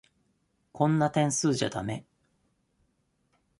こんな点数じゃだめ。